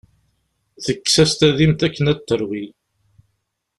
Tekkes-as tadimt akken ad t-terwi.